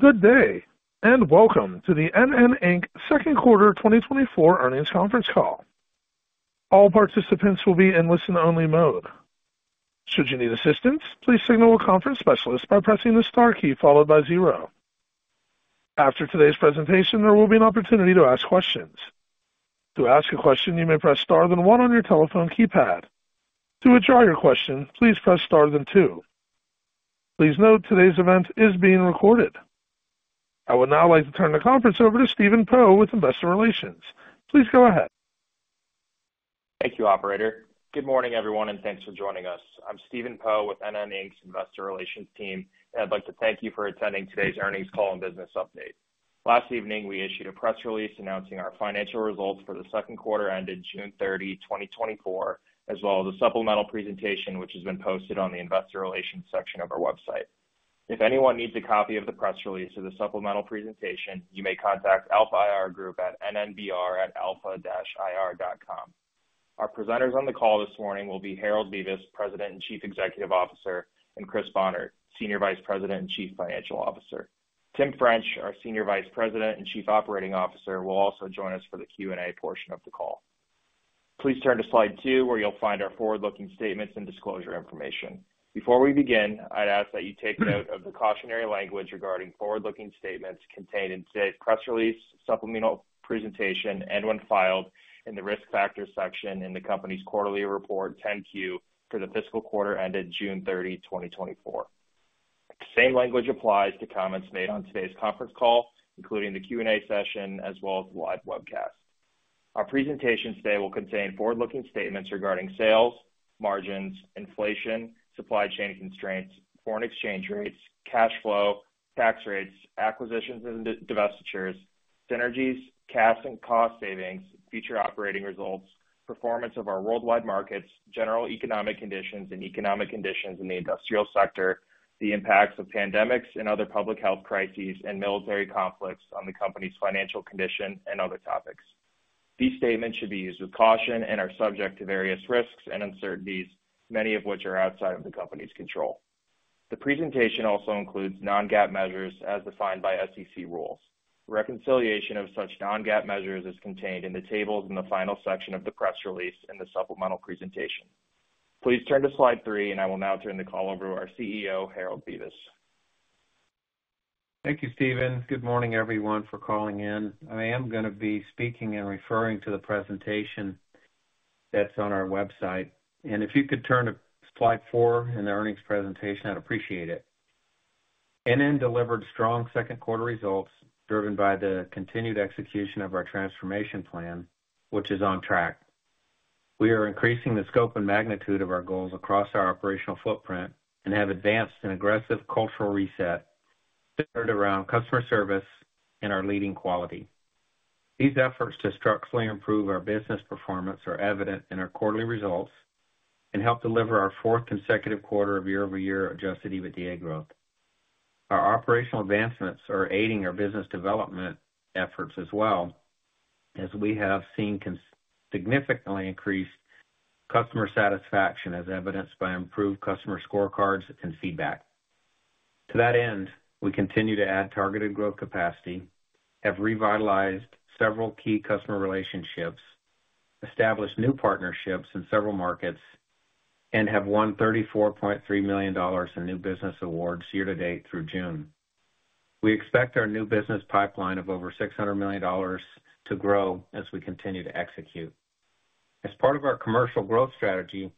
Good day, and welcome to the NN, Inc Second Quarter 2024 Earnings Conference Call. All participants will be in listen-only mode. Should you need assistance, please signal a conference specialist by pressing the star key followed by zero. After today's presentation, there will be an opportunity to ask questions. To ask a question, you may press star then one on your telephone keypad. To withdraw your question, please press star then two. Please note today's event is being recorded. I would now like to turn the conference over to Stephen Poe with Investor Relations. Please go ahead. Thank you, Operator. Good morning, everyone, and thanks for joining us. I'm Stephen Poe with NN, Inc's Investor Relations team, and I'd like to thank you for attending today's earnings call and business update. Last evening, we issued a press release announcing our financial results for the second quarter ended June 30, 2024, as well as a supplemental presentation, which has been posted on the investor relations section of our website. If anyone needs a copy of the press release or the supplemental presentation, you may contact Alpha IR Group at nnbr@alpha-ir.com. Our presenters on the call this morning will be Harold Bevis, President and Chief Executive Officer, and Chris Bohnert, Senior Vice President and Chief Financial Officer. Tim French, our Senior Vice President and Chief Operating Officer, will also join us for the Q&A portion of the call. Please turn to slide two, where you'll find our forward-looking statements and disclosure information. Before we begin, I'd ask that you take note of the cautionary language regarding forward-looking statements contained in today's press release, supplemental presentation, and when filed in the Risk Factors section in the company's quarterly report, 10-Q, for the fiscal quarter ended June 30, 2024. The same language applies to comments made on today's conference call, including the Q&A session as well as the live webcast. Our presentation today will contain forward-looking statements regarding sales, margins, inflation, supply chain constraints, foreign exchange rates, cash flow, tax rates, acquisitions and divestitures, synergies, cash and cost savings, future operating results, performance of our worldwide markets, general economic conditions and economic conditions in the industrial sector, the impacts of pandemics and other public health crises, and military conflicts on the company's financial condition and other topics. These statements should be used with caution and are subject to various risks and uncertainties, many of which are outside of the company's control. The presentation also includes non-GAAP measures as defined by SEC rules. Reconciliation of such non-GAAP measures is contained in the tables in the final section of the press release in the supplemental presentation. Please turn to slide three, and I will now turn the call over to our CEO, Harold Bevis. Thank you, Stephen. Good morning, everyone, for calling in. I am gonna be speaking and referring to the presentation that's on our website. If you could turn to slide four in the earnings presentation, I'd appreciate it. NN delivered strong second quarter results, driven by the continued execution of our transformation plan, which is on track. We are increasing the scope and magnitude of our goals across our operational footprint and have advanced an aggressive cultural reset centered around customer service and our leading quality. These efforts to structurally improve our business performance are evident in our quarterly results and help deliver our fourth consecutive quarter of year-over-year Adjusted EBITDA growth. Our operational advancements are aiding our business development efforts as well, as we have seen consistently significantly increased customer satisfaction, as evidenced by improved customer scorecards and feedback. To that end, we continue to add targeted growth capacity, have revitalized several key customer relationships, established new partnerships in several markets, and have won $34.3 million in new business awards year-to-date through June. We expect our new business pipeline of over $600 million to grow as we continue to execute. As part of our commercial growth strategy,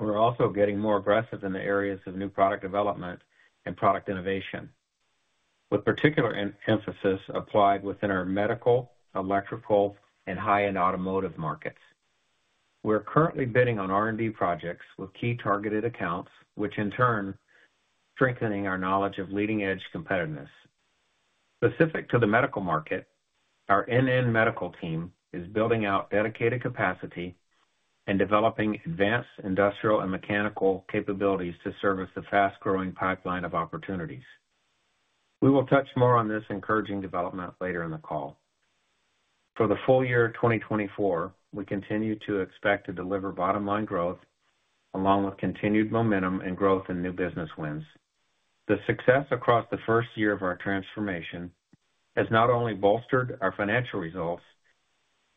we're also getting more aggressive in the areas of new product development and product innovation, with particular emphasis applied within our medical, electrical, and high-end automotive markets. We're currently bidding on R&D projects with key targeted accounts, which in turn strengthening our knowledge of leading-edge competitiveness. Specific to the medical market, our NN medical team is building out dedicated capacity and developing advanced industrial and mechanical capabilities to service the fast-growing pipeline of opportunities. We will touch more on this encouraging development later in the call. For the full year 2024, we continue to expect to deliver bottom-line growth, along with continued momentum and growth in new business wins. The success across the first year of our transformation has not only bolstered our financial results,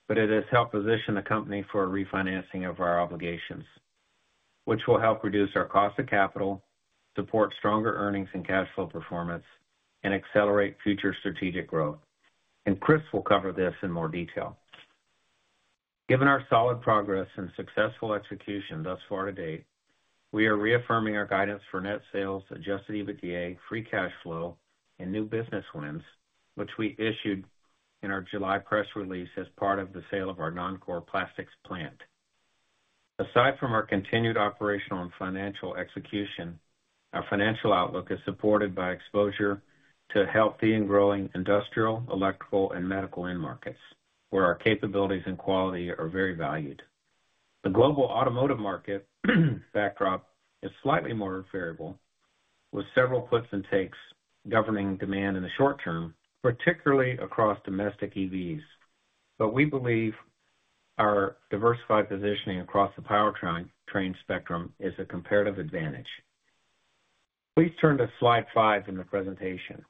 but it has helped position the company for a refinancing of our obligations, which will help reduce our cost of capital, support stronger earnings and cash flow performance, and accelerate future strategic growth. Chris will cover this in more detail. Given our solid progress and successful execution thus far to date, we are reaffirming our guidance for net sales, Adjusted EBITDA, Free Cash Flow, and new business wins, which we issued in our July press release as part of the sale of our non-core plastics plant. Aside from our continued operational and financial execution, our financial outlook is supported by exposure to healthy and growing industrial, electrical, and medical end markets, where our capabilities and quality are very valued. The global automotive market backdrop is slightly more variable, with several puts and takes governing demand in the short term, particularly across domestic EVs. But we believe our diversified positioning across the powertrain spectrum is a comparative advantage. Please turn to Slide five in the presentation,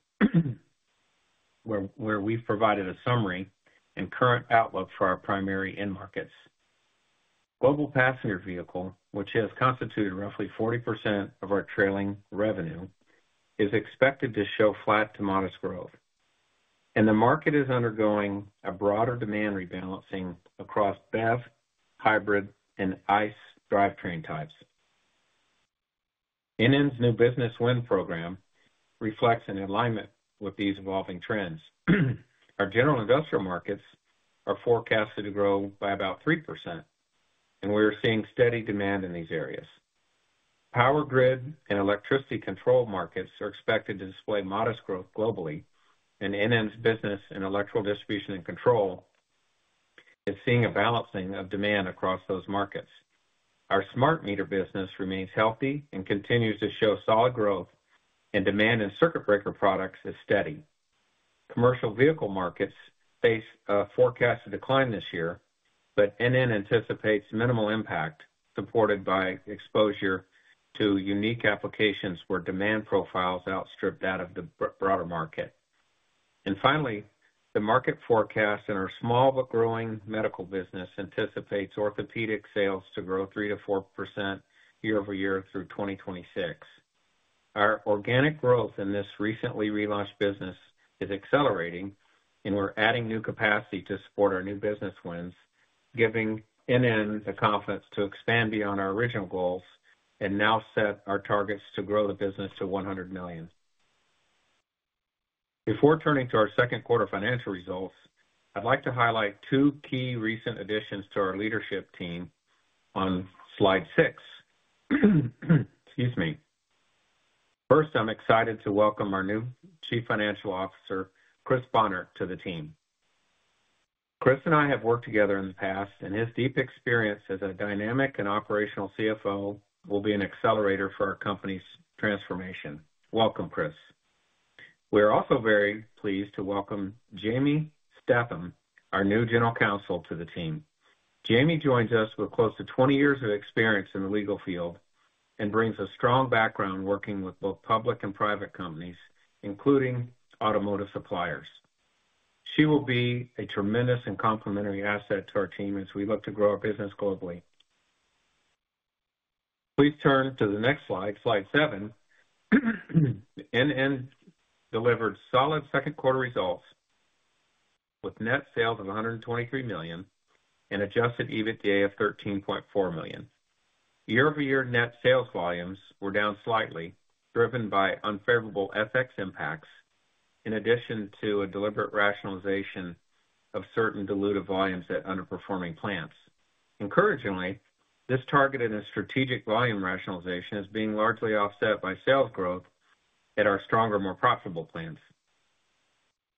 where we've provided a summary and current outlook for our primary end markets. Global passenger vehicle, which has constituted roughly 40% of our trailing revenue, is expected to show flat to modest growth, and the market is undergoing a broader demand rebalancing across BEV, hybrid, and ICE drivetrain types. NN's new business win program reflects an alignment with these evolving trends. Our general industrial markets are forecasted to grow by about 3%, and we are seeing steady demand in these areas. Power grid and electricity control markets are expected to display modest growth globally, and NN's business in electrical distribution and control is seeing a balancing of demand across those markets. Our smart meter business remains healthy and continues to show solid growth, and demand in circuit breaker products is steady. Commercial vehicle markets face a forecasted decline this year, but NN anticipates minimal impact, supported by exposure to unique applications where demand profiles outstripped out of the broader market. And finally, the market forecast in our small but growing medical business anticipates orthopedic sales to grow 3%-4% year-over-year through 2026. Our organic growth in this recently relaunched business is accelerating, and we're adding new capacity to support our new business wins, giving NN the confidence to expand beyond our original goals and now set our targets to grow the business to $100 million. Before turning to our second quarter financial results, I'd like to highlight two key recent additions to our leadership team on Slide six. Excuse me. First, I'm excited to welcome our new Chief Financial Officer, Chris Bohnert, to the team. Chris and I have worked together in the past, and his deep experience as a dynamic and operational CFO will be an accelerator for our company's transformation. Welcome, Chris. We're also very pleased to welcome Jami Statham, our new General Counsel, to the team. Jami joins us with close to 20 years of experience in the legal field and brings a strong background working with both public and private companies, including automotive suppliers. She will be a tremendous and complementary asset to our team as we look to grow our business globally. Please turn to the next slide, Slide seven. NN delivered solid second quarter results with net sales of $123 million and Adjusted EBITDA of $13.4 million. Year-over-year net sales volumes were down slightly, driven by unfavorable FX impacts, in addition to a deliberate rationalization of certain dilutive volumes at underperforming plants. Encouragingly, this targeted and strategic volume rationalization is being largely offset by sales growth at our stronger, more profitable plants.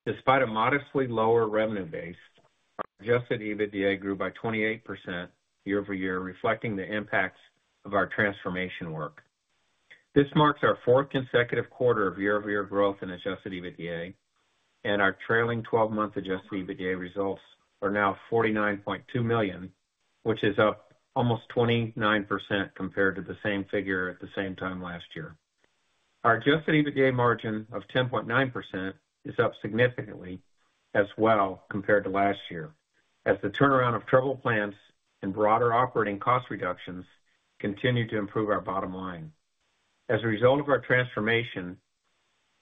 Despite a modestly lower revenue base, our Adjusted EBITDA grew by 28% year-over-year, reflecting the impacts of our transformation work. This marks our fourth consecutive quarter of year-over-year growth in Adjusted EBITDA, and our trailing twelve-month Adjusted EBITDA results are now $49.2 million, which is up almost 29% compared to the same figure at the same time last year. Our Adjusted EBITDA margin of 10.9% is up significantly as well compared to last year, as the turnaround of troubled plants and broader operating cost reductions continue to improve our bottom line. As a result of our transformation,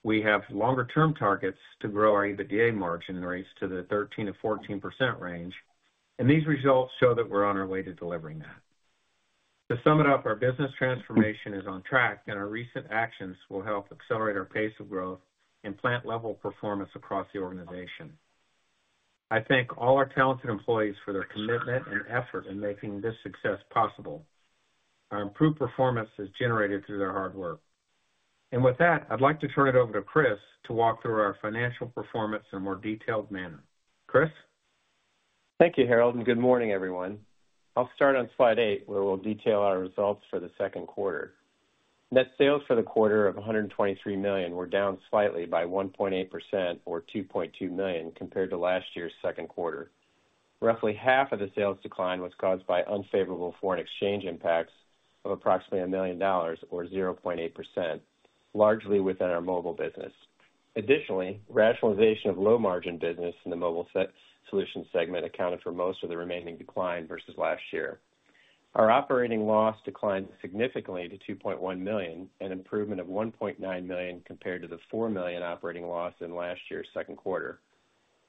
we have longer-term targets to grow our EBITDA margin rates to the 13%-14% range, and these results show that we're on our way to delivering that. To sum it up, our business transformation is on track, and our recent actions will help accelerate our pace of growth and plant-level performance across the organization. I thank all our talented employees for their commitment and effort in making this success possible. Our improved performance is generated through their hard work. With that, I'd like to turn it over to Chris to walk through our financial performance in a more detailed manner. Chris? Thank you, Harold, and good morning, everyone. I'll start on Slide eight, where we'll detail our results for the second quarter. Net sales for the quarter of $123 million were down slightly by 1.8% or $2.2 million compared to last year's second quarter. Roughly half of the sales decline was caused by unfavorable foreign exchange impacts of approximately $1 million, or 0.8%, largely within our mobile business. Additionally, rationalization of low-margin business in the mobile solutions segment accounted for most of the remaining decline versus last year. Our operating loss declined significantly to $2.1 million, an improvement of $1.9 million compared to the $4 million operating loss in last year's second quarter.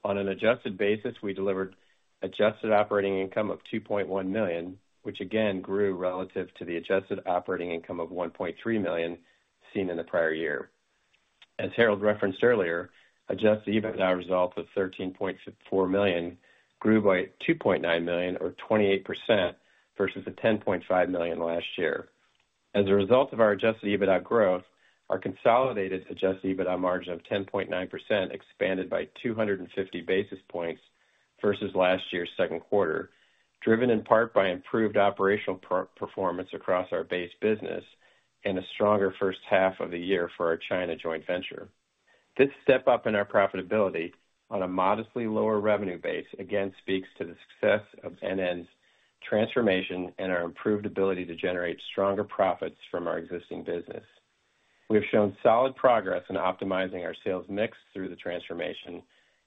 On an adjusted basis, we delivered adjusted operating income of $2.1 million, which again grew relative to the adjusted operating income of $1.3 million seen in the prior year. As Harold referenced earlier, Adjusted EBITDA result of $13.4 million grew by $2.9 million or 28% versus the $10.5 million last year. As a result of our Adjusted EBITDA growth, our consolidated Adjusted EBITDA margin of 10.9% expanded by 250 basis points versus last year's second quarter, driven in part by improved operational performance across our base business and a stronger first half of the year for our China joint venture.... This step up in our profitability on a modestly lower revenue base, again, speaks to the success of NN's transformation and our improved ability to generate stronger profits from our existing business. We have shown solid progress in optimizing our sales mix through the transformation,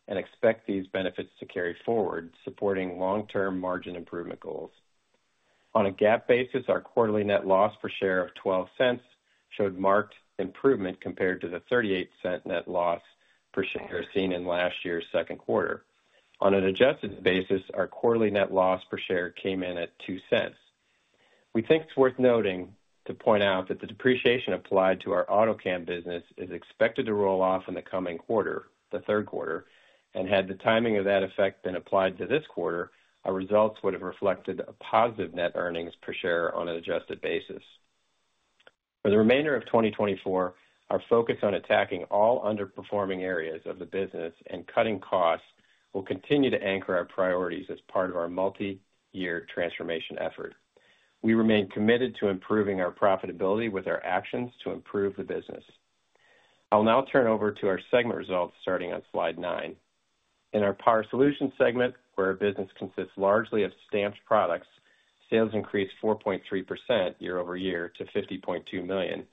and expect these benefits to carry forward, supporting long-term margin improvement goals. On a GAAP basis, our quarterly net loss per share of $0.12 showed marked improvement compared to the $0.38 net loss per share seen in last year's second quarter. On an adjusted basis, our quarterly net loss per share came in at $0.02. We think it's worth noting to point out that the depreciation applied to our Autocam business is expected to roll off in the coming quarter, the third quarter, and had the timing of that effect been applied to this quarter, our results would have reflected a positive net earnings per share on an adjusted basis. For the remainder of 2024, our focus on attacking all underperforming areas of the business and cutting costs will continue to anchor our priorities as part of our multi-year transformation effort. We remain committed to improving our profitability with our actions to improve the business. I'll now turn over to our segment results, starting on slide nine. In our Power Solutions segment, where our business consists largely of stamped products, sales increased 4.3% year-over-year to $50.2 million,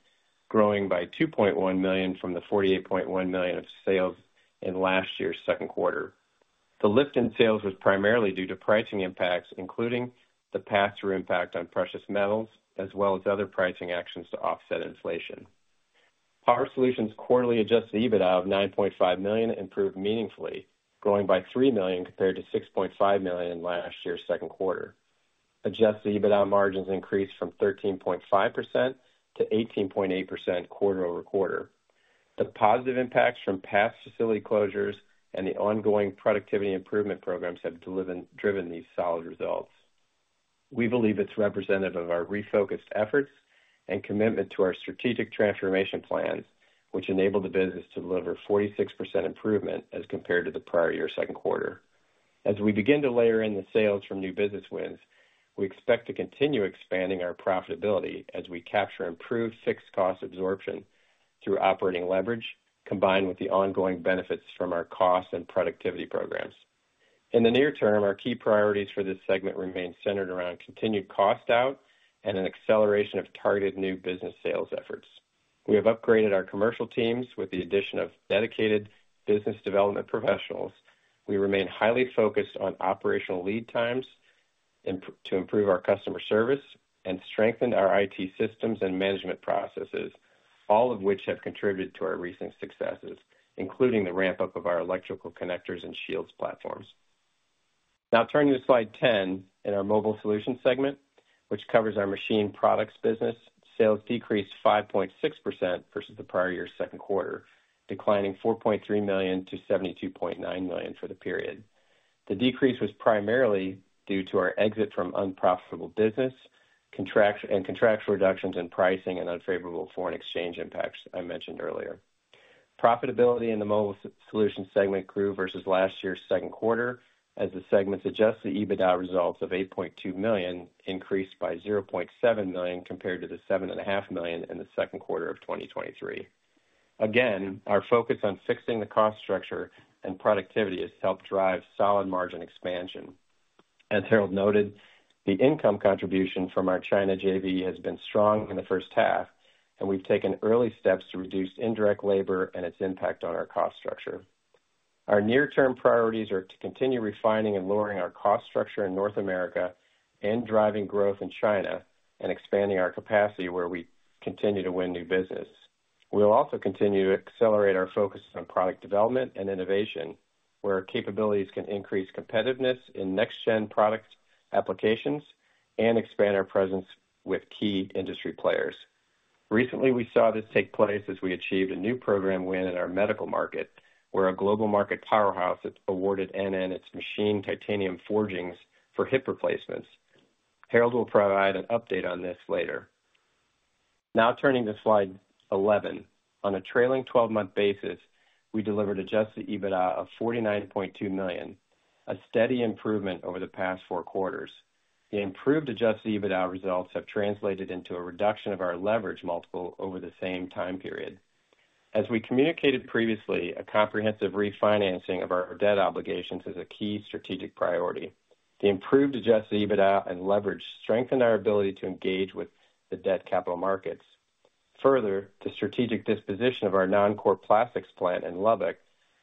growing by $2.1 million from the $48.1 million of sales in last year's second quarter. The lift in sales was primarily due to pricing impacts, including the pass-through impact on precious metals, as well as other pricing actions to offset inflation. Power Solutions' quarterly adjusted EBITDA of $9.5 million improved meaningfully, growing by $3 million compared to $6.5 million in last year's second quarter. Adjusted EBITDA margins increased from 13.5% to 18.8% quarter-over-quarter. The positive impacts from past facility closures and the ongoing productivity improvement programs have driven these solid results. We believe it's representative of our refocused efforts and commitment to our strategic transformation plan, which enabled the business to deliver 46% improvement as compared to the prior year's second quarter. As we begin to layer in the sales from new business wins, we expect to continue expanding our profitability as we capture improved fixed cost absorption through operating leverage, combined with the ongoing benefits from our cost and productivity programs. In the near term, our key priorities for this segment remain centered around continued cost out and an acceleration of targeted new business sales efforts. We have upgraded our commercial teams with the addition of dedicated business development professionals. We remain highly focused on operational lead times to improve our customer service and strengthen our IT systems and management processes, all of which have contributed to our recent successes, including the ramp-up of our electrical connectors and shields platforms. Now turning to slide 10, in our Mobile Solutions segment, which covers our machine products business, sales decreased 5.6% versus the prior year's second quarter, declining $4.3 million-$72.9 million for the period. The decrease was primarily due to our exit from unprofitable business, contractual reductions in pricing and unfavorable foreign exchange impacts I mentioned earlier. Profitability in the Mobile Solutions segment grew versus last year's second quarter, as the segment's Adjusted EBITDA results of $8.2 million increased by $0.7 million compared to the $7.5 million in the second quarter of 2023. Again, our focus on fixing the cost structure and productivity has helped drive solid margin expansion. As Harold noted, the income contribution from our China JV has been strong in the first half, and we've taken early steps to reduce indirect labor and its impact on our cost structure. Our near-term priorities are to continue refining and lowering our cost structure in North America, and driving growth in China, and expanding our capacity where we continue to win new business. We'll also continue to accelerate our focus on product development and innovation, where our capabilities can increase competitiveness in next-gen product applications and expand our presence with key industry players. Recently, we saw this take place as we achieved a new program win in our medical market, where a global market powerhouse has awarded NN its machined titanium forgings for hip replacements. Harold will provide an update on this later. Now turning to slide 11. On a trailing 12-month basis, we delivered Adjusted EBITDA of $49.2 million, a steady improvement over the past four quarters. The improved Adjusted EBITDA results have translated into a reduction of our leverage multiple over the same time period. As we communicated previously, a comprehensive refinancing of our debt obligations is a key strategic priority. The improved Adjusted EBITDA and leverage strengthened our ability to engage with the debt capital markets. Further, the strategic disposition of our non-core plastics plant in Lubbock,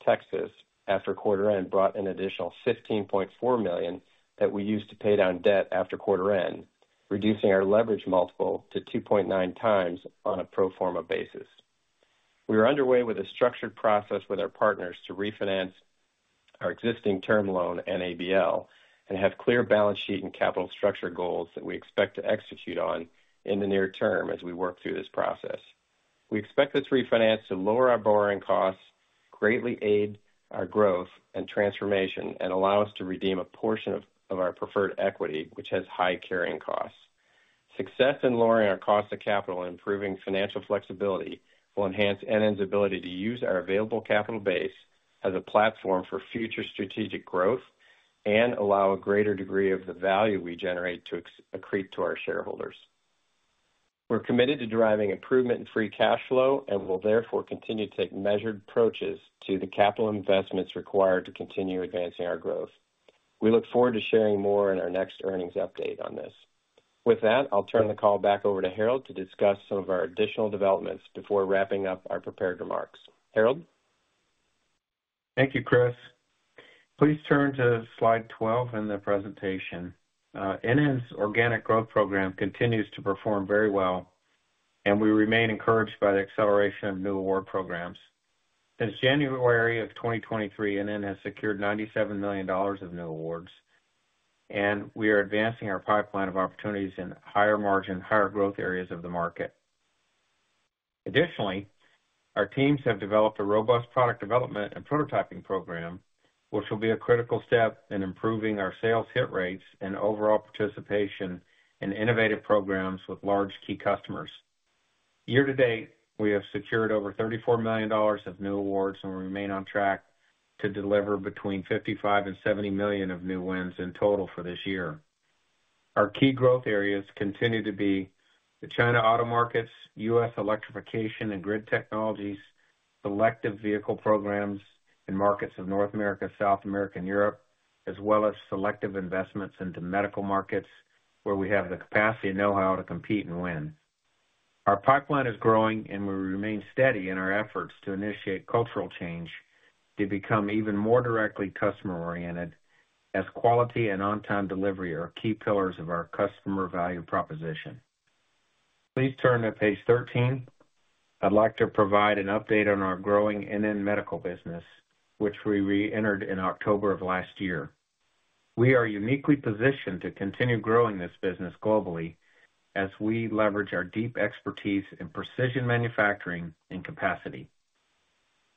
Texas, after quarter end, brought an additional $15.4 million that we used to pay down debt after quarter end, reducing our leverage multiple to 2.9 times on a pro forma basis. We are underway with a structured process with our partners to refinance our existing term loan and ABL, and have clear balance sheet and capital structure goals that we expect to execute on in the near term as we work through this process. We expect this refinance to lower our borrowing costs, greatly aid our growth and transformation, and allow us to redeem a portion of our preferred equity, which has high carrying costs. Success in lowering our cost of capital and improving financial flexibility will enhance NN's ability to use our available capital base as a platform for future strategic growth and allow a greater degree of the value we generate to accrete to our shareholders. We're committed to deriving improvement in free cash flow, and will therefore continue to take measured approaches to the capital investments required to continue advancing our growth. We look forward to sharing more in our next earnings update on this. With that, I'll turn the call back over to Harold to discuss some of our additional developments before wrapping up our prepared remarks. Harold? Thank you, Chris. Please turn to slide 12 in the presentation. NN's organic growth program continues to perform very well, and we remain encouraged by the acceleration of new award programs. Since January of 2023, NN has secured $97 million of new awards, and we are advancing our pipeline of opportunities in higher margin, higher growth areas of the market. Additionally, our teams have developed a robust product development and prototyping program, which will be a critical step in improving our sales hit rates and overall participation in innovative programs with large key customers. Year-to-date, we have secured over $34 million of new awards, and we remain on track to deliver between $55 million and $70 million of new wins in total for this year. Our key growth areas continue to be the China auto markets, U.S. electrification and grid technologies, selective vehicle programs in markets of North America, South America, and Europe, as well as selective investments into medical markets, where we have the capacity and know-how to compete and win. Our pipeline is growing, and we remain steady in our efforts to initiate cultural change, to become even more directly customer-oriented, as quality and on-time delivery are key pillars of our customer value proposition. Please turn to page 13. I'd like to provide an update on our growing NN medical business, which we reentered in October of last year. We are uniquely positioned to continue growing this business globally as we leverage our deep expertise in precision manufacturing and capacity.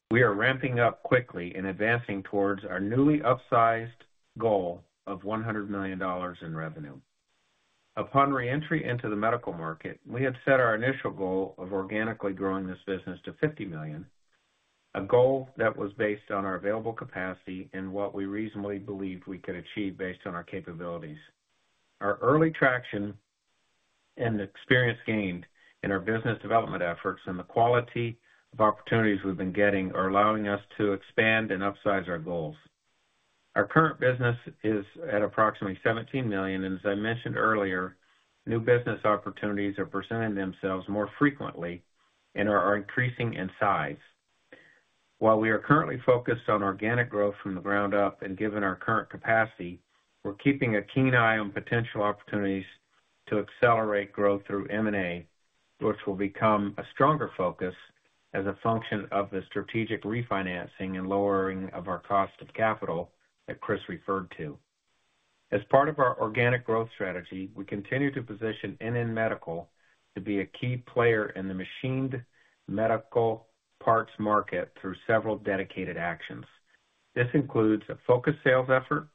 We are ramping up quickly and advancing towards our newly upsized goal of $100 million in revenue. Upon re-entry into the medical market, we had set our initial goal of organically growing this business to $50 million, a goal that was based on our available capacity and what we reasonably believed we could achieve based on our capabilities. Our early traction and the experience gained in our business development efforts and the quality of opportunities we've been getting, are allowing us to expand and upsize our goals. Our current business is at approximately $17 million, and as I mentioned earlier, new business opportunities are presenting themselves more frequently and are increasing in size. While we are currently focused on organic growth from the ground up and given our current capacity, we're keeping a keen eye on potential opportunities to accelerate growth through M&A, which will become a stronger focus as a function of the strategic refinancing and lowering of our cost of capital that Chris referred to. As part of our organic growth strategy, we continue to position NN Medical to be a key player in the machined medical parts market through several dedicated actions. This includes a focused sales effort,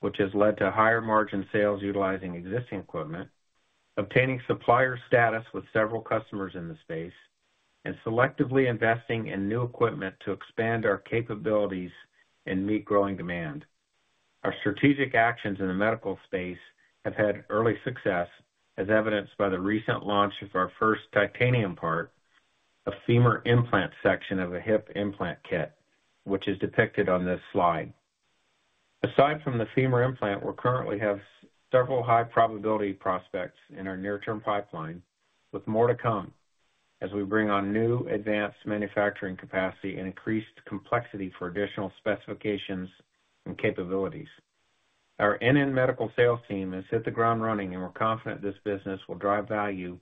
which has led to higher margin sales utilizing existing equipment, obtaining supplier status with several customers in the space, and selectively investing in new equipment to expand our capabilities and meet growing demand. Our strategic actions in the medical space have had early success, as evidenced by the recent launch of our first titanium part, a femur implant section of a hip implant kit, which is depicted on this slide. Aside from the femur implant, we currently have several high probability prospects in our near-term pipeline, with more to come as we bring on new advanced manufacturing capacity and increased complexity for additional specifications and capabilities. Our NN Medical sales team has hit the ground running, and we're confident this business will drive value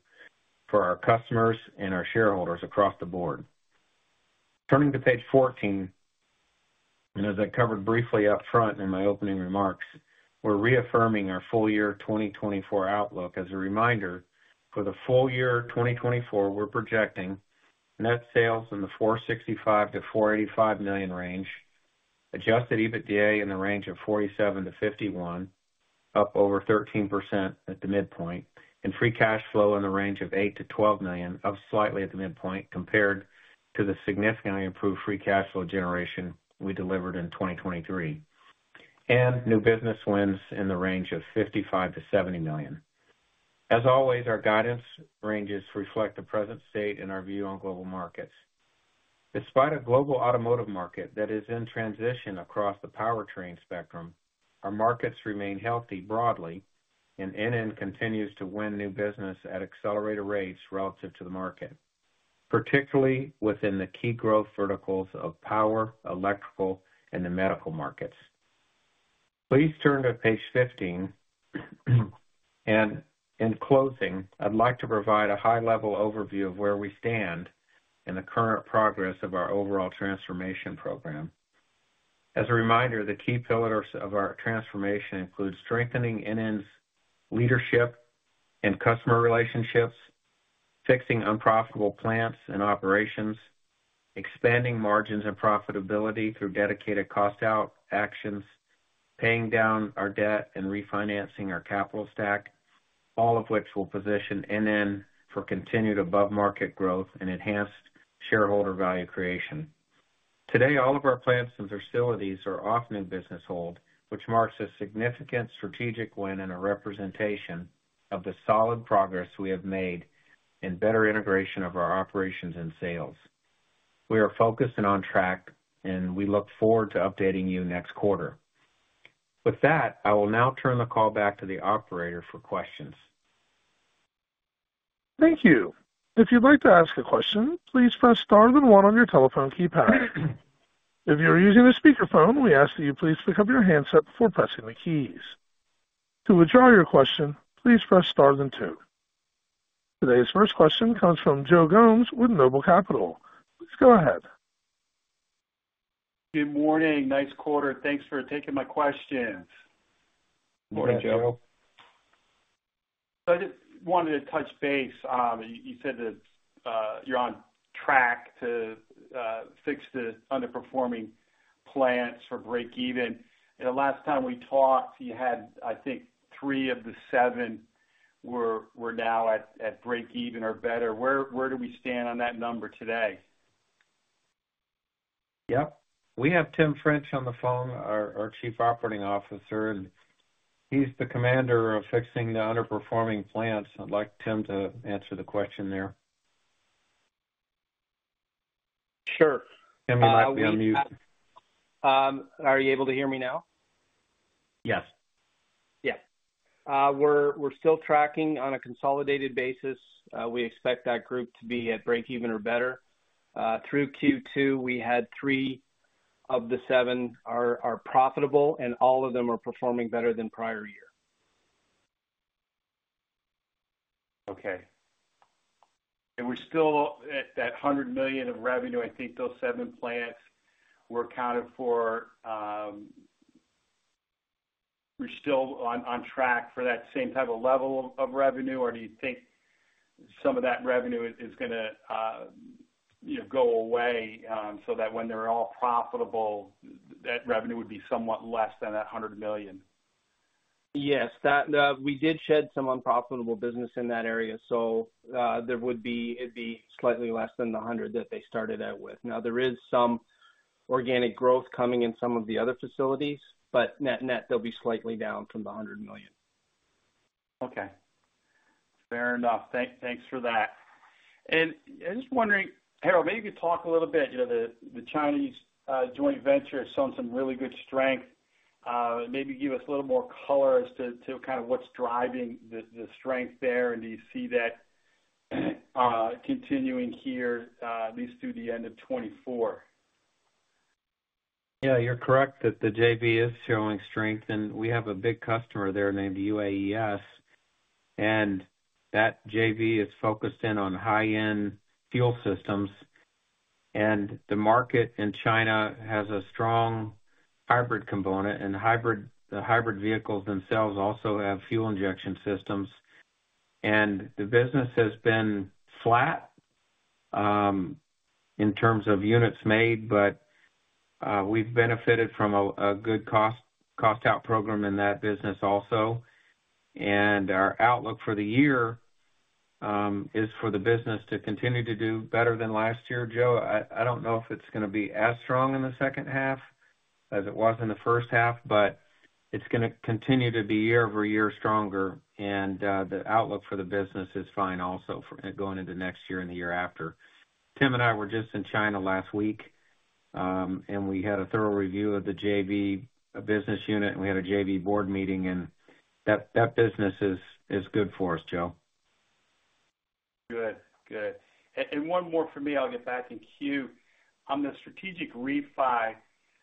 for our customers and our shareholders across the board. Turning to page 14, and as I covered briefly up front in my opening remarks, we're reaffirming our full year 2024 outlook. As a reminder, for the full year 2024, we're projecting net sales in the $465 million-$485 million range, Adjusted EBITDA in the $47 million-$51 million range, up over 13% at the midpoint, and free cash flow in the $8 million-$12 million range, up slightly at the midpoint compared to the significantly improved free cash flow generation we delivered in 2023, and new business wins in the $55 million-$70 million range. As always, our guidance ranges reflect the present state and our view on global markets. Despite a global automotive market that is in transition across the powertrain spectrum, our markets remain healthy broadly, and NN continues to win new business at accelerated rates relative to the market, particularly within the key growth verticals of power, electrical, and the medical markets. Please turn to page 15. In closing, I'd like to provide a high-level overview of where we stand in the current progress of our overall transformation program. As a reminder, the key pillars of our transformation include strengthening NN's leadership and customer relationships, fixing unprofitable plants and operations, expanding margins and profitability through dedicated cost out actions, paying down our debt and refinancing our capital stack, all of which will position NN for continued above-market growth and enhanced shareholder value creation. Today, all of our plants and facilities are out of business hold, which marks a significant strategic win and a representation of the solid progress we have made in better integration of our operations and sales. We are focused and on track, and we look forward to updating you next quarter. With that, I will now turn the call back to the operator for questions. Thank you. If you'd like to ask a question, please press star then one on your telephone keypad. If you are using a speakerphone, we ask that you please pick up your handset before pressing the keys. To withdraw your question, please press star then two. Today's first question comes from Joe Gomes with Noble Capital. Please go ahead. Good morning. Nice quarter. Thanks for taking my questions. Morning, Joe. Good morning, Joe. So I just wanted to touch base. You, you said that you're on track to fix the underperforming plants for breakeven. And the last time we talked, you had, I think, three of the seven were now at breakeven or better. Where do we stand on that number today? Yep. We have Tim French on the phone, our Chief Operating Officer, and he's the commander of fixing the underperforming plants. I'd like Tim to answer the question there. Sure. Tim, you might be on mute. Are you able to hear me now? Yes. Yeah. We're still tracking on a consolidated basis. We expect that group to be at breakeven or better. Through Q2, we had three of the seven are profitable, and all of them are performing better than prior year. Okay. We're still at that $100 million of revenue. I think those seven plants were accounted for. We're still on track for that same type of level of revenue, or do you think some of that revenue is gonna, you know, go away, so that when they're all profitable, that revenue would be somewhat less than that $100 million? Yes, that. We did shed some unprofitable business in that area, so, it'd be slightly less than the 100 that they started out with. Now, there is some organic growth coming in some of the other facilities, but net-net, they'll be slightly down from the $100 million. Okay. Fair enough. Thank- thanks for that. And I'm just wondering, Harold, maybe talk a little bit, you know, the Chinese joint venture has shown some really good strength. Maybe give us a little more color as to kind of what's driving the strength there. And do you see that continuing here at least through the end of 2024? Yeah, you're correct that the JV is showing strength, and we have a big customer there named UAES, and that JV is focused in on high-end fuel systems. And the market in China has a strong hybrid component, and hybrid, the hybrid vehicles themselves also have fuel injection systems. And the business has been flat in terms of units made, but we've benefited from a good cost out program in that business also. And our outlook for the year is for the business to continue to do better than last year, Joe. I don't know if it's gonna be as strong in the second half as it was in the first half, but it's gonna continue to be year-over-year stronger, and the outlook for the business is fine also for going into next year and the year after. Tim and I were just in China last week, and we had a thorough review of the JV business unit, and we had a JV board meeting, and that business is good for us, Joe. Good. Good. And one more from me, I'll get back in queue. On the strategic refi,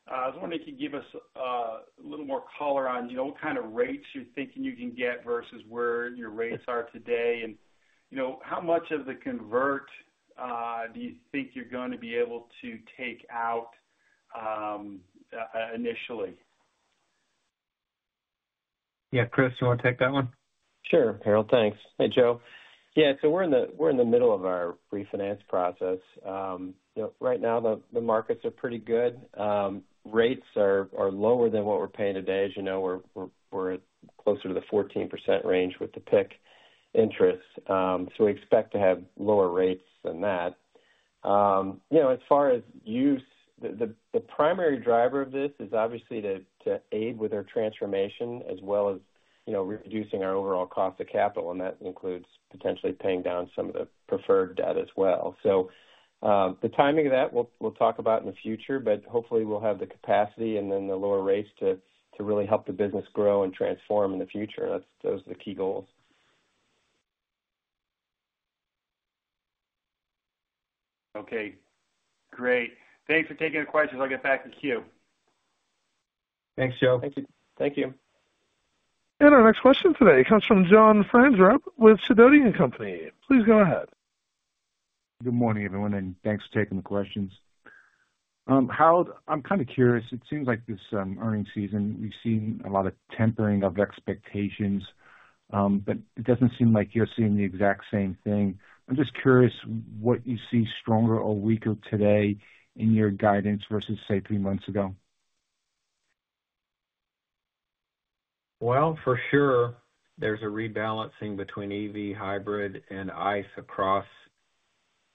I was wondering if you could give us a little more color on, you know, what kind of rates you're thinking you can get versus where your rates are today, and, you know, how much of the convert do you think you're going to be able to take out initially? Yeah. Chris, you want to take that one? Sure, Harold. Thanks. Hey, Joe. Yeah, so we're in the middle of our refinance process. You know, right now, the markets are pretty good. Rates are lower than what we're paying today. As you know, we're closer to the 14% range with the PIK interest. So we expect to have lower rates than that. You know, as far as use, the primary driver of this is obviously to aid with our transformation as well as, you know, reducing our overall cost of capital, and that includes potentially paying down some of the preferred debt as well. So, the timing of that, we'll talk about in the future, but hopefully, we'll have the capacity and then the lower rates to really help the business grow and transform in the future. Those are the key goals. Okay, great. Thanks for taking the questions. I'll get back to queue. Thanks, Joe. Thank you. Thank you. Our next question today comes from John Franzreb with Sidoti & Company. Please go ahead. Good morning, everyone, and thanks for taking the questions. Harold, I'm kind of curious. It seems like this earnings season, we've seen a lot of tempering of expectations, but it doesn't seem like you're seeing the exact same thing. I'm just curious what you see stronger or weaker today in your guidance versus, say, three months ago? ... Well, for sure, there's a rebalancing between EV hybrid and ICE across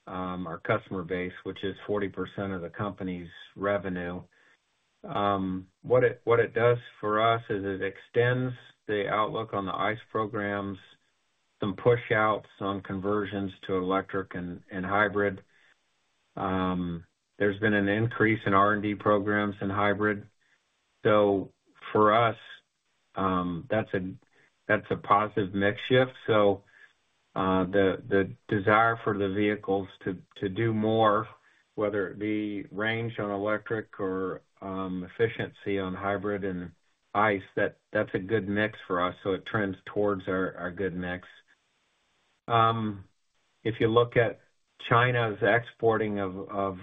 our customer base, which is 40% of the company's revenue. What it does for us is it extends the outlook on the ICE programs, some push outs on conversions to electric and hybrid. There's been an increase in R&D programs in hybrid. So for us, that's a positive mix shift. So, the desire for the vehicles to do more, whether it be range on electric or efficiency on hybrid and ICE, that's a good mix for us. So it trends towards our good mix. If you look at China's exporting of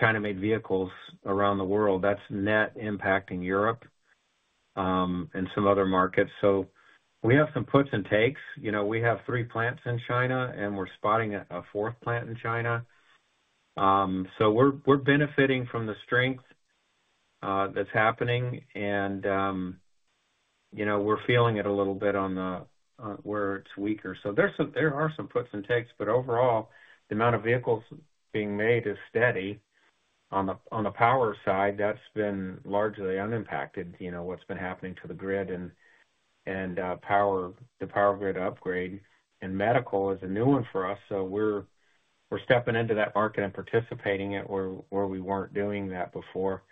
China-made vehicles around the world, that's net impacting Europe and some other markets. So we have some puts and takes. You know, we have three plants in China, and we're spotting a fourth plant in China. So we're benefiting from the strength that's happening, and, you know, we're feeling it a little bit on the where it's weaker. So there are some puts and takes, but overall, the amount of vehicles being made is steady. On the power side, that's been largely unimpacted, you know, what's been happening to the grid and the power grid upgrade, and medical is a new one for us, so we're stepping into that market and participating it, where we weren't doing that before.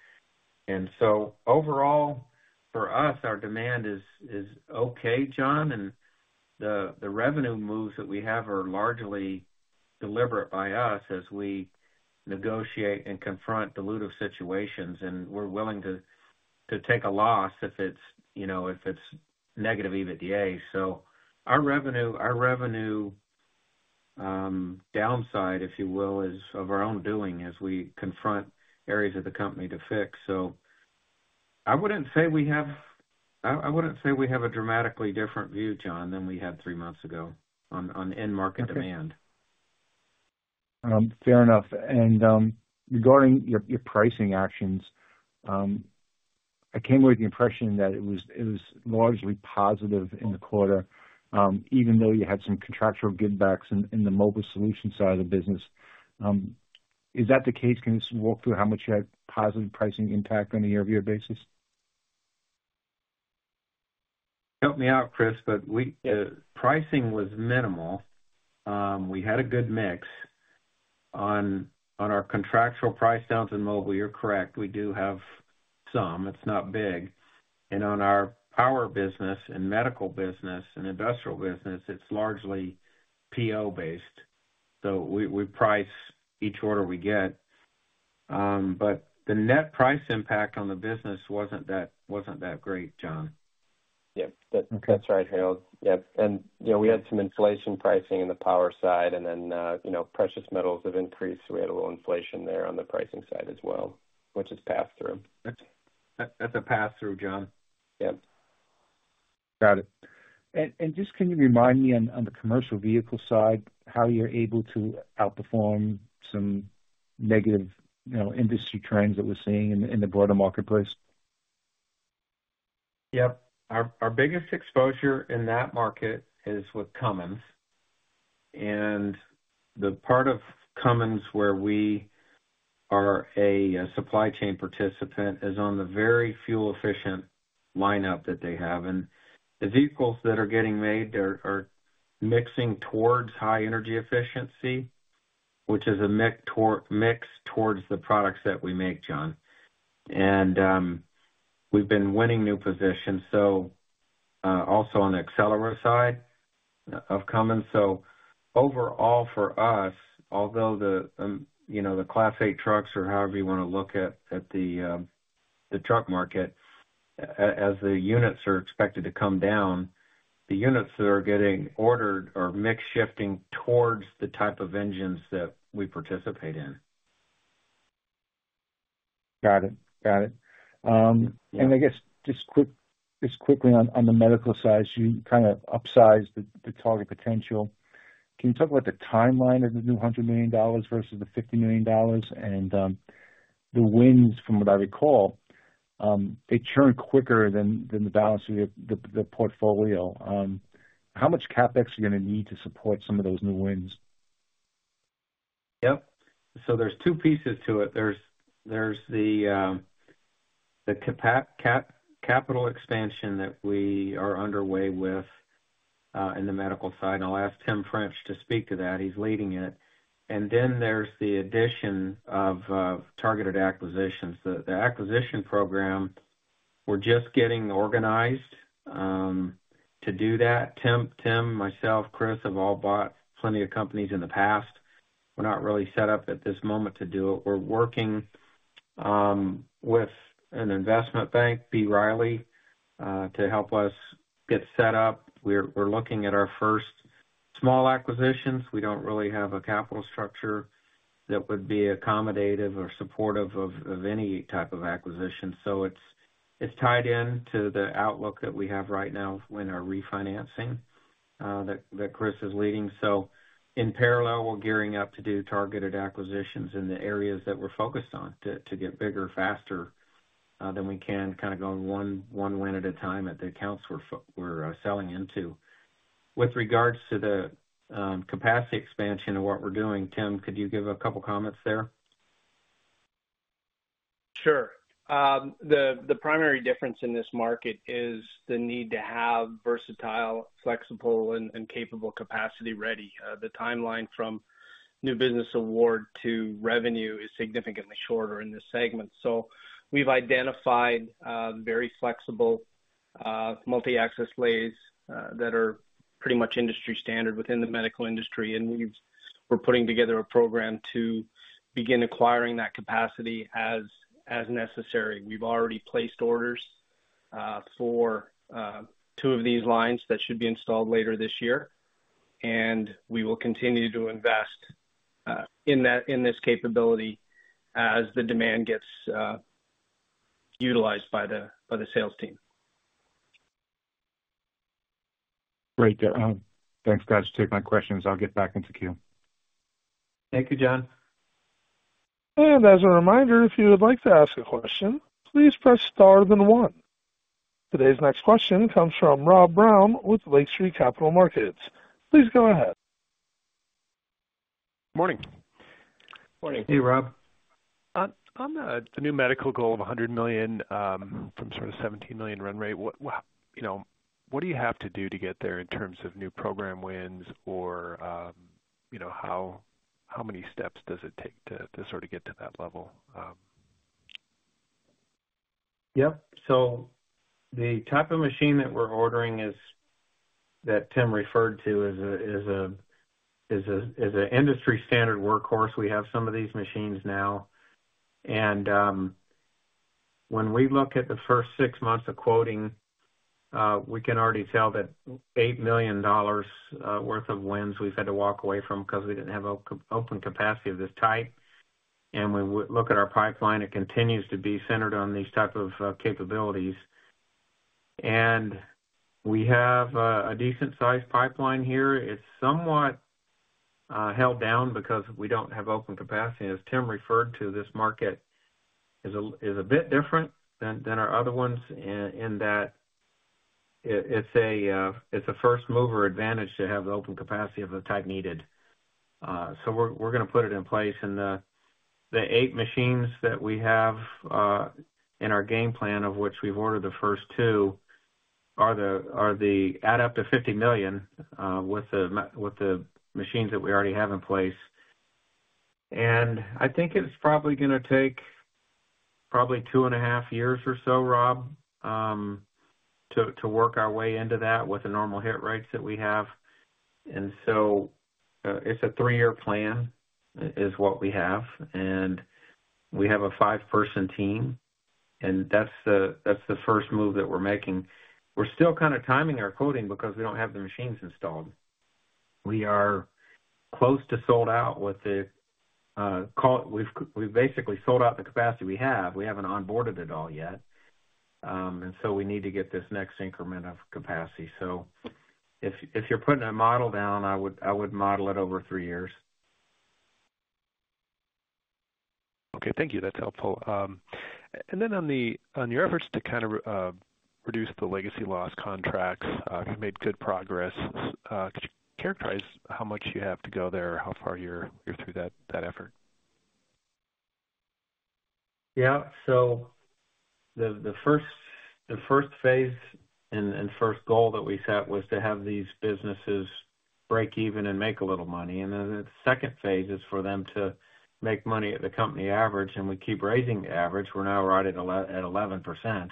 And so overall, for us, our demand is okay, John, and the revenue moves that we have are largely deliberate by us as we negotiate and confront dilutive situations, and we're willing to take a loss if it's, you know, if it's negative EBITDA. So our revenue downside, if you will, is of our own doing as we confront areas of the company to fix. So I wouldn't say we have a dramatically different view, John, than we had three months ago on end market demand. Fair enough. And, regarding your, your pricing actions, I came away with the impression that it was, it was largely positive in the quarter, even though you had some contractual givebacks in, in the mobile solution side of the business. Is that the case? Can you just walk through how much you had positive pricing impact on a year-over-year basis? Help me out, Chris, but we, pricing was minimal. We had a good mix. On our contractual price downs in Mobile, you're correct, we do have some. It's not big. And on our Power business and medical business and industrial business, it's largely PO-based, so we, we price each order we get. But the net price impact on the business wasn't that, wasn't that great, John. Yep. That- Okay. That's right, Harold. Yep. And, you know, we had some inflation pricing in the power side, and then, you know, precious metals have increased, so we had a little inflation there on the pricing side as well, which is passed through. That's a pass-through, John. Yep. Got it. And just can you remind me on the commercial vehicle side, how you're able to outperform some negative, you know, industry trends that we're seeing in the broader marketplace? Yep. Our biggest exposure in that market is with Cummins, and the part of Cummins where we are a supply chain participant is on the very fuel-efficient lineup that they have. And the vehicles that are getting made there are mixing towards high energy efficiency, which is a mix towards the products that we make, John. And we've been winning new positions, so also on the Accelera side of Cummins. So overall, for us, although the you know, the Class 8 trucks or however you wanna look at the truck market, as the units are expected to come down, the units that are getting ordered are mix shifting towards the type of engines that we participate in. Got it. Got it. Yeah. I guess, just quickly on the medical side, you kind of upsized the target potential. Can you talk about the timeline of the new $100 million versus the $50 million and the wins from what I recall, they churn quicker than the balance of the portfolio. How much CapEx are you gonna need to support some of those new wins? Yep. So there's two pieces to it. There's the capital expansion that we are underway with in the medical side, and I'll ask Tim French to speak to that. He's leading it. And then there's the addition of targeted acquisitions. The acquisition program, we're just getting organized to do that. Tim, Tim, myself, Chris, have all bought plenty of companies in the past. We're not really set up at this moment to do it. We're working with an investment bank, B Riley, to help us get set up. We're looking at our first small acquisitions. We don't really have a capital structure that would be accommodative or supportive of any type of acquisition, so it's tied in to the outlook that we have right now in our refinancing that Chris is leading. So in parallel, we're gearing up to do targeted acquisitions in the areas that we're focused on, to get bigger, faster, than we can kind of going one win at a time at the accounts we're selling into. With regards to the capacity expansion and what we're doing, Tim, could you give a couple comments there? Sure. The primary difference in this market is the need to have versatile, flexible, and capable capacity ready. The timeline from new business award to revenue is significantly shorter in this segment. So we've identified very flexible multi-axis lathes that are pretty much industry standard within the medical industry, and we're putting together a program to begin acquiring that capacity as necessary. We've already placed orders for 2 of these lines that should be installed later this year, and we will continue to invest in this capability as the demand gets utilized by the sales team. Great. Thanks, guys. Take my questions. I'll get back into queue. Thank you, John. As a reminder, if you would like to ask a question, please press star then one. Today's next question comes from Rob Brown with Lake Street Capital Markets. Please go ahead. Morning. Morning. Hey, Rob. On the new medical goal of $100 million from sort of $17 million run rate, what do you have to do to get there in terms of new program wins or, you know, how many steps does it take to sort of get to that level? Yep. So the type of machine that we're ordering is, that Tim referred to, is a industry standard workhorse. We have some of these machines now, and, when we look at the first six months of quoting, we can already tell that $8 million worth of wins we've had to walk away from because we didn't have open capacity of this type. And when we look at our pipeline, it continues to be centered on these type of, capabilities. And we have, a decent-sized pipeline here. It's somewhat, held down because we don't have open capacity. As Tim referred to, this market is a bit different than, than our other ones in that it's a, it's a first mover advantage to have the open capacity of the type needed. So we're gonna put it in place and the eight machines that we have in our game plan, of which we've ordered the first two, add up to $50 million with the machines that we already have in place. I think it's probably gonna take probably two and a half years or so, Rob, to work our way into that with the normal hit rates that we have. So it's a three year plan, is what we have, and we have a five person team, and that's the first move that we're making. We're still kind of timing our quoting because we don't have the machines installed. We are close to sold out with the quote. We've basically sold out the capacity we have. We haven't onboarded it all yet, and so we need to get this next increment of capacity. So if, if you're putting a model down, I would, I would model it over three years. Okay. Thank you. That's helpful. And then on your efforts to kind of reduce the legacy loss contracts, you made good progress. Could you characterize how much you have to go there or how far you're through that effort? Yeah. So the first phase and first goal that we set was to have these businesses break even and make a little money, and then the second phase is for them to make money at the company average, and we keep raising the average. We're now right at 11%.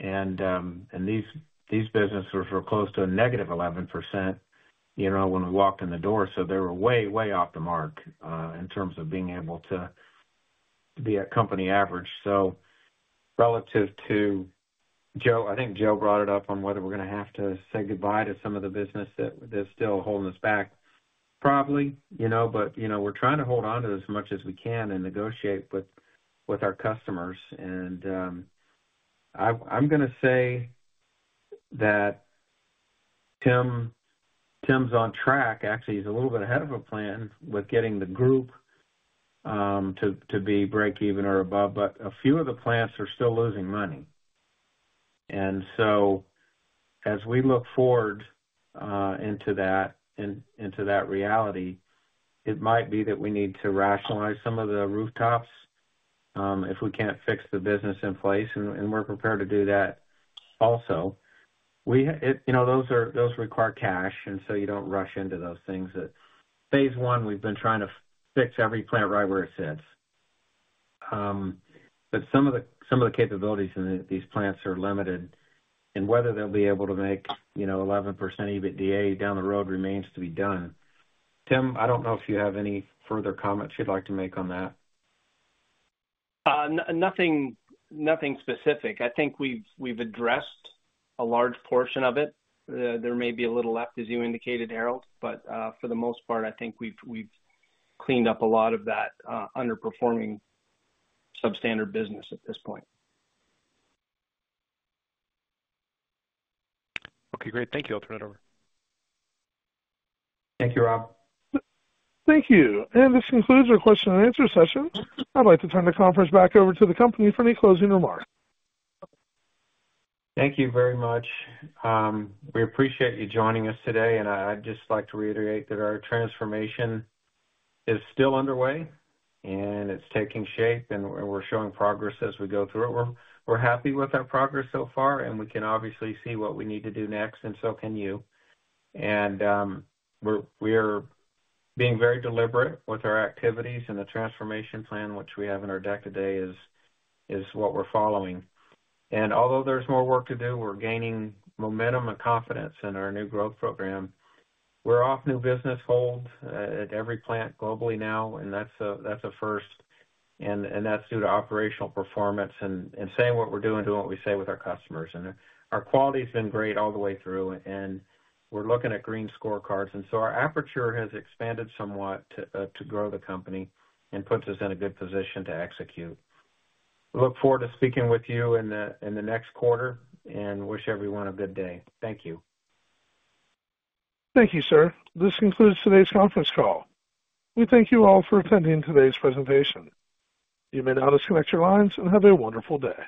And these businesses were close to a -11%, you know, when we walked in the door, so they were way, way off the mark in terms of being able to be at company average. So relative to Joe, I think Joe brought it up on whether we're gonna have to say goodbye to some of the business that's still holding us back. Probably, you know, but, you know, we're trying to hold on to as much as we can and negotiate with our customers. I'm gonna say that Tim, Tim's on track. Actually, he's a little bit ahead of a plan with getting the group to be break even or above, but a few of the plants are still losing money. So as we look forward into that reality, it might be that we need to rationalize some of the rooftops if we can't fix the business in place, and we're prepared to do that also. You know, those require cash, and so you don't rush into those things. At phase one, we've been trying to fix every plant right where it sits. But some of the capabilities in these plants are limited, and whether they'll be able to make, you know, 11% EBITDA down the road remains to be done. Tim, I don't know if you have any further comments you'd like to make on that? Nothing specific. I think we've addressed a large portion of it. There may be a little left, as you indicated, Harold, but for the most part, I think we've cleaned up a lot of that underperforming substandard business at this point. Okay, great. Thank you. I'll turn it over. Thank you, Rob. Thank you. This concludes our question and answer session. I'd like to turn the conference back over to the company for any closing remarks. Thank you very much. We appreciate you joining us today, and I'd just like to reiterate that our transformation is still underway, and it's taking shape, and we're, we're showing progress as we go through it. We're, we're happy with our progress so far, and we can obviously see what we need to do next, and so can you. We're being very deliberate with our activities, and the transformation plan which we have in our deck today is, is what we're following. Although there's more work to do, we're gaining momentum and confidence in our new growth program. We're off new business hold at every plant globally now, and that's a, that's a first, and, and that's due to operational performance and, and saying what we're doing, doing what we say with our customers. Our quality's been great all the way through, and we're looking at green scorecards, and so our aperture has expanded somewhat to grow the company and puts us in a good position to execute. We look forward to speaking with you in the next quarter, and wish everyone a good day. Thank you. Thank you, sir. This concludes today's conference call. We thank you all for attending today's presentation. You may now disconnect your lines and have a wonderful day.